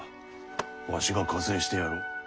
わしが加勢してやろう。